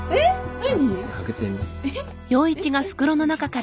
何？